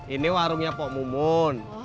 ini warungnya pak mumun